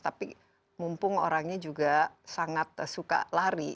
tapi mumpung orangnya juga sangat suka lari